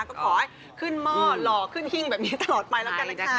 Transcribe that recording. ก็ขอให้ขึ้นหม้อหล่อขึ้นหิ้งแบบนี้ตลอดไปแล้วกันนะคะ